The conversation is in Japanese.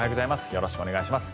よろしくお願いします。